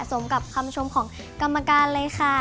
สมกับคำชมของกรรมการเลยค่ะ